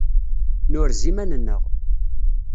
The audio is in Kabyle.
Nurez iman-nneɣ.